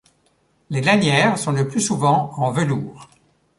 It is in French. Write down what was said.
Les lanières sont le plus souvent en velours.